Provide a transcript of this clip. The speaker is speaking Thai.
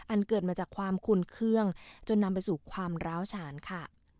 เกิดมาจากความคุ้นเครื่องจนนำไปสู่ความร้าวฉานค่ะ